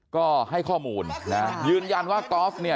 ก็ให้ข้อมูลนะยืนยันว่ากอล์ฟเนี่ย